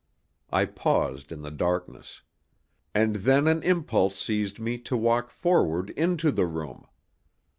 I paused in the darkness. And then an impulse seized me to walk forward into the room.